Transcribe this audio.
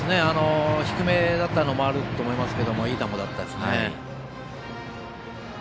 低めだったのもあると思いますけれどもいい球でしたね。